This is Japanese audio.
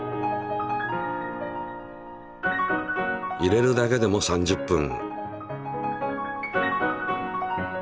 入れるだけでも３０分。